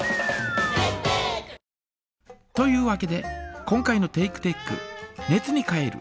というわけで今回のテイクテック「熱に変える」